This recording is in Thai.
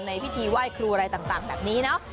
ในพิธีไหว้ครูอะไรต่างแบบนี้เนอะ